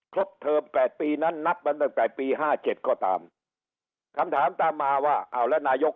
เทอม๘ปีนั้นนับมาตั้งแต่ปีห้าเจ็ดก็ตามคำถามตามมาว่าอ้าวแล้วนายก